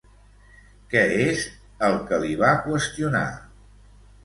Què és el que li va qüestionar?